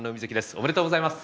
おめでとうございます。